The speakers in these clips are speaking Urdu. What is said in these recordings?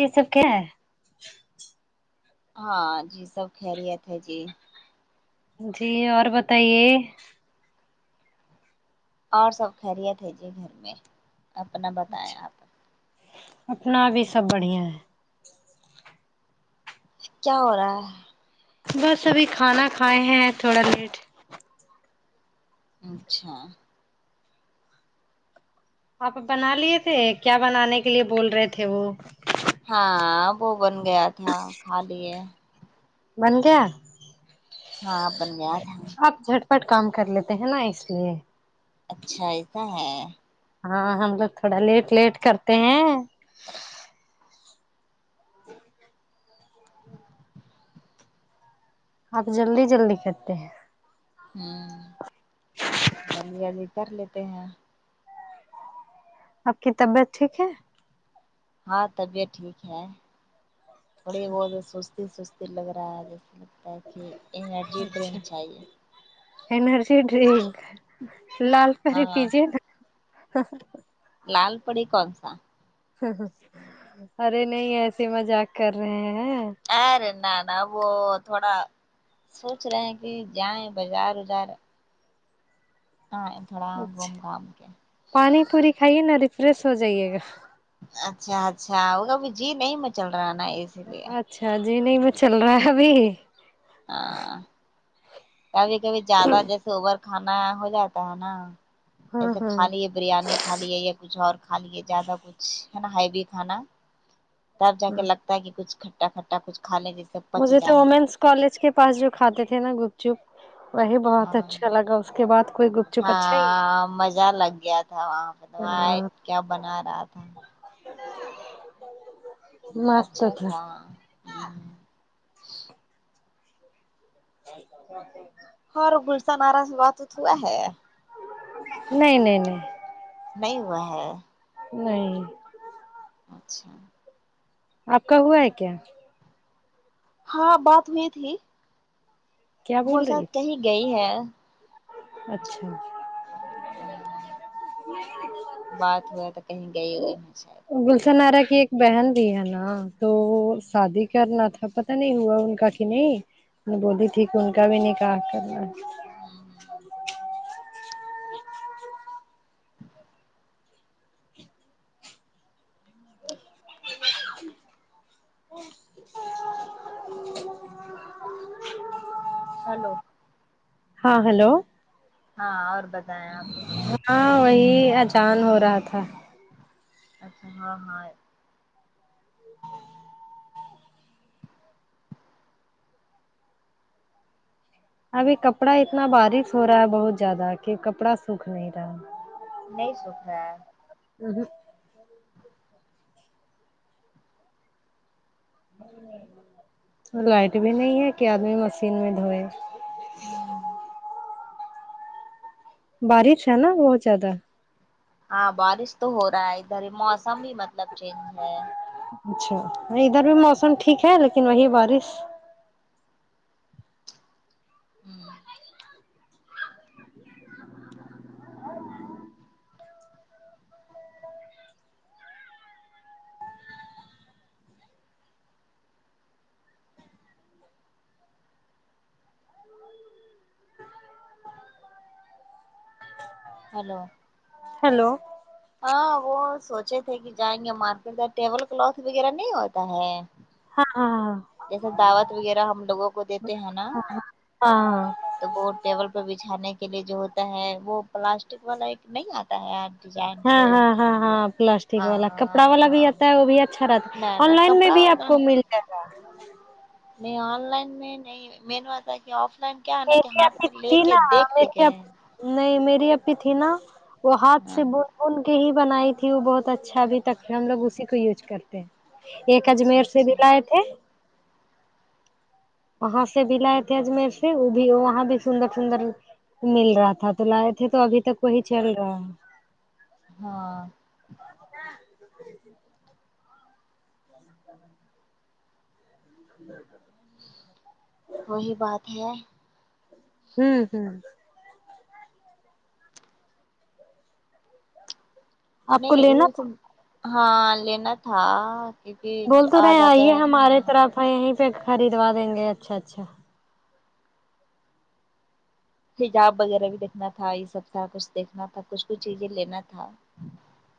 یہ سب کیا ہے ہاں جی سب کھیریت ہے جی جی اور بتائیے اور سب کھیریت ہے جی گھر میں اپنا بتائیں اچھا آپ اپنا بھی سب بڑھیا ہے کیا ہو رہا ہے بس ابھی کھانا کھائے ہیں تھوڑا لیٹ اچھا آپ بنا لیے تھے کیا بنانے کے لیے بول رہے تھے وہ ہاں وہ بن گیا تھا کھا لیے بن گیا ہاں بن گیا تھا آپ جھٹپٹ کام کر لیتے ہیں نا اس لیے اچھا ایسا ہے ہاں ہم لوگ تھوڑا لیٹ لیٹ کرتے ہیں آپ جلدی جلدی کرتے ہیں ہوں جلدی جلدی کر لیتے ہیں آپ کی طبیعت ٹھیک ہے ہاں طبیعت ٹھیک ہے تھوڑی بہت سستی سس دل لگ رہا ہے جیسے لگتا ہے کہ انرجی اچھا ڈرنک چاہیے انرجی ڈرنک لال پری ہاں پیجئے نہ لال پڑی کونسا ارے نہیں ایسے مذاق کر رہے ہیں ارے نہ نہ وہ تھوڑا سوچ رہے ہیں کہ جائیں بازار وزار ہاں تھوڑا گھوم اچھا گھام کے پانی پوری کھائیے نا ریفریش ہو جائیے گا اچھا اچھا انہوں بھی جی نہیں میں چل رہا نا اس اچھا جی نہیں مچل رہا ہے ابھی ہاں کبھی کبھی زیادہ جیسے اوور کھانا ہو جاتا ہے نا ہاں جیسے ہاں کھالی بریانی کھا لیے یا کچھ اور کھا لیے جیادہ کچھ ہے نا ہیوی کھانا تب جا کے ہاں لگتا ہے کہ کچھ کھٹا کھٹا کچھ کھالیں جس سے پچ مجھے تو جائے وومینس کالج کے پاس جو کھاتے تھے نا گپ چپ وہی بہت ہاں اچھا لگا اس کے بعد کوئی گپت ہاں مزہ لگ گیا تھا وائٹ کیا بنا رہا تھا ا [inaudible] اچھا تھا ہوں [inaudible] اور گلسہ نارا سے بات ویت ہوا ہے نہیں نہیں نہیں نہیں ہوا ہے نہیں اچھا آپ کا ہوا ہے کیا ہاں بات ہوئی تھی کیا وہ بول رہی شاید تھی کہیں گئی ہے اچھا [inaudible] بات ہوا تو کہیں گئی ہوئی ہے شاید گلشن ارا کی ایک بہن بھی ہے نا تو شادی کرنا تھا پتا نہیں ہوا ان کا کی نہیں نے بولی تھی کہ ان کا بھی نکاح کرنا ہے ہاں [inaudible] [inaudible] ہلو ہاں ہلو ہاں اور بتائیں آپ ہاں وہی اجان ہو رہا تھا اچھا ہاں ہاں ابھی کپڑا اتنا بارش ہو رہا ہے بہت زیادہ کہ کپڑا سوکھ نہیں رہا نہیں سوکھ رہا اہوں لائٹ بھی نہیں ہے کہ آدمی مشین میں دھوئے ہوں بارش ہے نا بہت زیادہ ہاں بارش تو ہو رہا ہے ادھر موسم بھی مطلب چینج ہے اچھا نہیں ادھر بھی موسم ٹھیک ہے لیکن وہی بارش ہلو ہلو ہاں وہ سوچے تھے کہ جائیں گے مارکیٹ ٹیبل کلتھ وغیرہ نہیں ہوتا ہے ہاں ہا جیسے دعوت وغیرہ ہم لوگوں کو دیتے ہیں نا ہاں تو وہ ٹیبل پہ بچھانے کے لیے جو ہوتا ہے وہ پلاسٹک والا ایک نہیں آتا ہے یار ڈیزائن ہاں سے ہاں ہاں ہاں ہاں تو وہ بھی اچھا رہتا نہ نہ آن لائن میں کپڑا بھی آپ والا کو مل جائے گا نہیں آن لائن میں نہیں مین آتا کہ آف لائن کیا ہے نا کہ میری ہاتھ اپی میں لے تھی کے نا دیکھتے کہ میری ہیں اپ نہیں میری اپی تھی نا وہ ہاتھ ہاں سے ب ان کے ہی بنائی تھی وہ بہت اچھا ابھی تک ہم لوگ اسی کو یوز کرتے ہیں ایک اچھا اجمیر سے بھی اچھا لائے تھے وہاں سے بھی لائے تھ اجمیر وہ بھی وہاں بھی سندر سندر مل رہا تھا تو لائے تھے تو ابھی تک وہی چل رہا ہاں [inaudible] [unintelligible] [inaudible] وہی بات ہے ہوں ہوں آپ کو نہیں لینا وہ سب ہاں لینا تھا کیونکہ آ جاتا ہے نا پر ہاں آپ یہیں پہ خریدوا دیں گے اچھا اچھا حجاب وغیرہ بھی دیکھنا تھا یہ سب تھا کچھ دیکھنا تھا کچھ کچھ چیزیں لینا تھا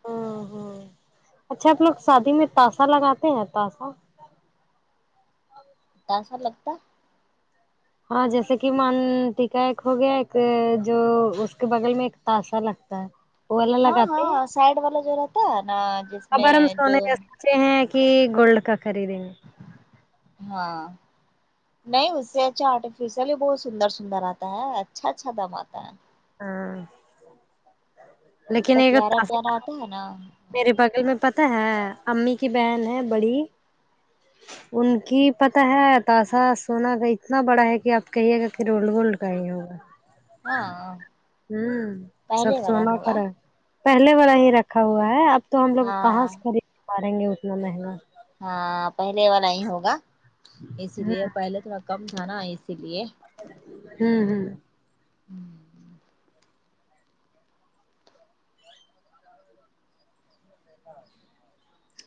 ہوں ہوں اچھا آپ لوگ شادی میں تاسا لگاتے ہیں تاسا تاسا لگتا ہاں جیسے کہ من ٹی کا ایک ہو گیا ایک جو اس کے بغل میں ایک تاشا لگتا ہے وہ والا ہاں لگاتے ہاں ہیں سائڈ والا جو رہتا ہے نا ابر میں ہم جو سونے سے سوچے ہیں کہ گولڈ کا خریدیں گے ہاں نہیں اس سے اچھا آرٹیفیشل بھی بہت سندر سندر آتا ہے اچھا اچھا دم آتا ہے ہاں لیکن اتنا اگر پیارا تاسا پیارا آتا ہے نا میرے بغل میں پتہ ہے امی کی بہن ہے بڑی ان کی پتہ ہے تاشا سونا کا اتنا بڑا ہے کہ آپ کہیے گا کہ رولڈ گولڈ کا ہی ہوگا ہاں ہوں سب پہلے والا سونا ہوگا کھرا ہے پہلے والا ہی رکھا ہوا ہے اب تو ہم لوگ کہاں ہاں سے خرید پایئں گے اتنا مہنگا ہاں پہلے والا ہی ہوگا اسی لیے پہلے تھوڑا کم تھا نا اسی لیے ہوں ہوں ہوں ہوں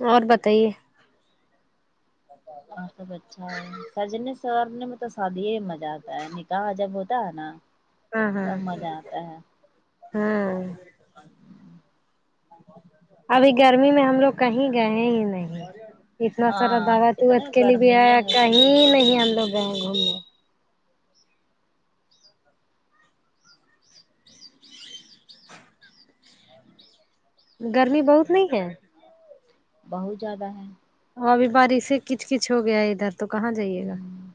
اور بتائیے اور سب اچھا ہے سجنے سورنے میں تو سادی ہی م زہ آتا ہے نکاح جب ہوتا ہے نا ہاں ہاں تب مزہ آتا ہے ہاں ابھی گرمی میں ہم لوگ کہیں گئے ہی نہیں اتنا سارا ہاں دعوت ووت اتنا کے لیے بھی گرمی آیا ہے کہیں نہیں کہ ہم لوگ گئے گھومنے گرمی بہت نہیں ہے بہت زیادہ ہے اور ابھی بارش سے کچ کچ ہو گیا ہے ادھر تو کہاں جائیے گا ہوں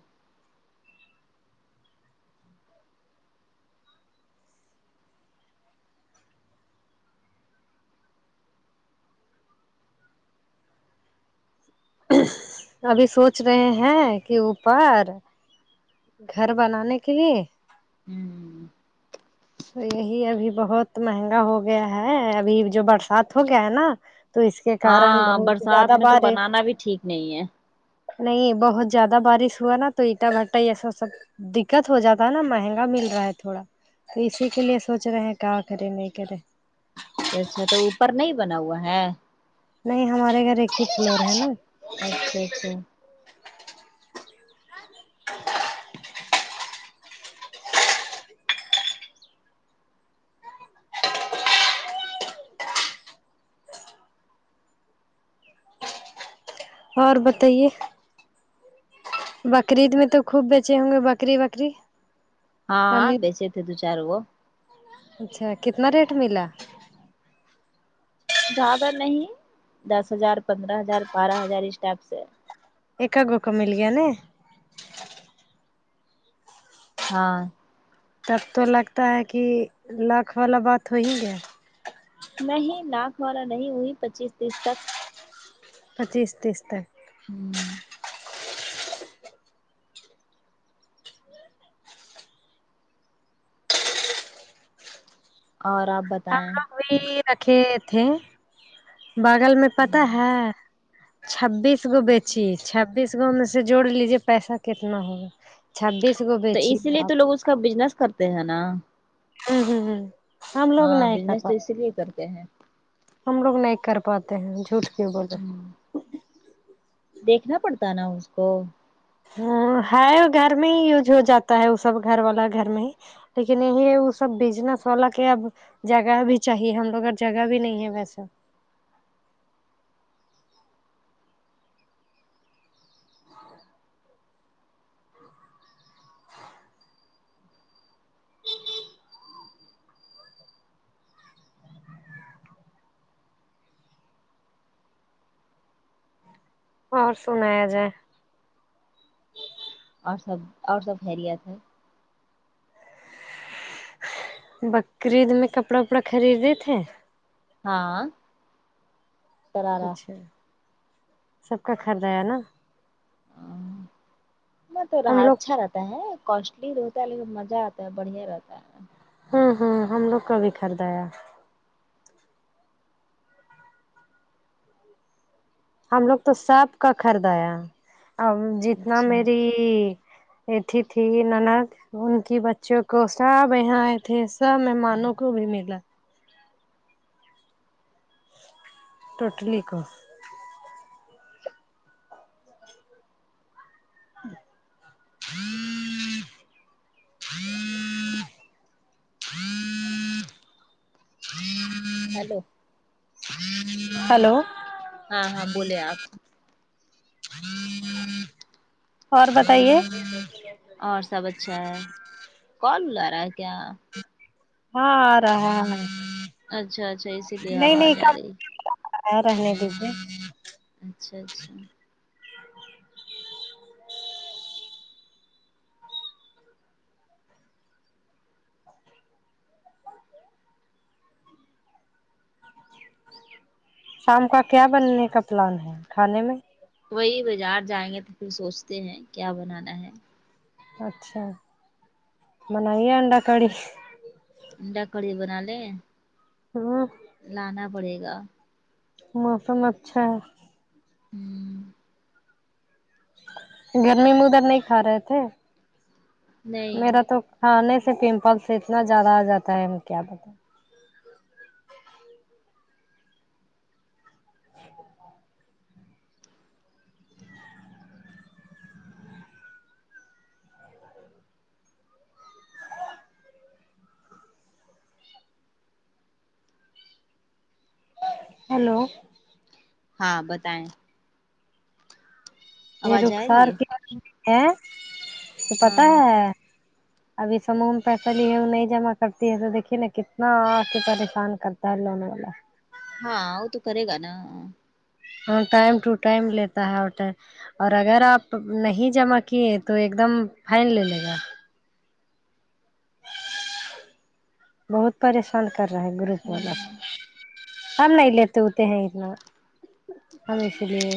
ابھی سوچ رہے ہیں کہ اوپر گھر بنانے کے لیے ہوں تو یہی ابھی بہت مہنگا ہو گیا ہے ابھی جو برسات ہو گیا ہے نا تو اس کے کارن ہاں بہت برسات زیادہ میں تو بار ہے بنانا بھی ٹھیک نہیں ہے نہیں بہت زیادہ بارش ہوا نا تو اینٹا بھٹا ایسا سب دکت ہو جاتا ہے نا مہنگا مل رہا ہے تھوڑا تو اسی کے لیے سوچ رہے ہیں کیا کرے نہیں کرے اچھا تو اوپر نہیں بنا ہوا ہے نہیں ہمارے گھر ایک ہی فلور ہے نا اچھا اچھا ہ اور بتائیے بکرید میں تو خوب بیچے ہوں گے بکری وکری ہاں ہمیں بیچے تھے دو چار وہ اچھا کتنا ریٹ ملا زیادہ نہیں دس ہزار پندرہ ہزار بارہ ہزار اس ٹیپ سے ایک کا گوکا مل گیا نے ہاں تب تو لگتا ہے کہ لاکھ والا بات ہو ہی گیا نہیں لاکھ والا نہیں وہی پچیس تیس تک پچیس تیس تک ہوں اور آپ بتائیں کوئی رکھے تھے بغل میں پتا ہے چھبیس گو بیچی چھبیس ان میں سے جوڑ لیجے پیسا کتنا ہوگا چھبیس گو تو بیچی اسی لیے آپ تو لوگ اس کا بزنس کرتے ہیں نا ہوں ہوں ہوں ہم لوگ ہاں نہیں کر بزنس تو پاتے اسی لیے کرتے ہیں ہم لوگ نہیں کر پاتے ہیں جھوٹ کیوں بولے دیکھنا پڑتا نا اس کو ہاں ہے گھر میں ہی یوج ہو جاتا ہے وہ سب گھر والا گھر میں ہی لیکن نہیں ہے وہ سب بزنس والا کے اب جگہ بھی چاہیے ہم لوگ اور جگہ بھی نہیں ہے ویسا اور سنایا جائے اور سب اور سب خیریت ہے بقرعید میں کپڑا وپڑا خریدے تھے ہاں کرارا اچھا سب کا خریدا ہے نا ام وہ تھوڑا ہم لوگ اچھا رہتا ہے کاسٹلی تو ہوتا ہے لیکن مزہ آتا ہے بڑھیا ہی رہتا ہے ہاں ہاں ہم لوگ کا بھی خریدایا ہم لوگ تو سب کا خریدایا اب جتنا اچھا میری [unintelligible] ان کی بچیوں کو سب یہاں آئے تھے سب مہمانوں کو بھی ملا ٹوٹلی کو ہیلو ہیلو ہاں ہاں بولے آپ اور بتائیے اور سب اچھا ہے کون بلارہ رہا ہے کیا ہاں آ رہا ہے اچھا اچھا اسی لیے آواز آرہی ہے آآں رہنے دیجیے اچھا اچھا شام کا کیا بننے کا پلان ہے کھانے میں وہی بازار جائیں گے تو پھر سوچتے ہیں کیا بنانا ہے اچھا بنائیے انڈا کڑی انڈا کڑی بنالیں ہاں لانا پڑے گا موسم اچھا ہے ہوں گرمی میں ادھر نہیں کھا رہے تھے نہیں میرا تو کھانے سے پمپل سے اتنا زیادہ آجاتا ہے ہم کیا بتائیں ا ہیلو ہاں بتائیں یہ آواز آ رخسار رہی ہے کیا ہے [inaudible] اسے پتہ ہاں ہے ابھی سامان [unintelligible] لی ہے وہ نہیں جمع کرتی ہے تو دیکھیے نا کتنا پریشان کرتا ہے الله مولا ہاں وہ تو کرے گا نا ہاں ٹائم ٹو ٹائم لیتا ہے ہر ٹائم اور اگر آپ نہیں جمع کیے تو ایک دم فائن لے لے گا بہت پریشان کر رہا ہے گروپ والا ہوں ہم نہیں لیت تے ہیں اتنا ہم اس لیے